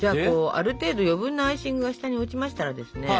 ある程度余分なアイシングが下に落ちましたらですね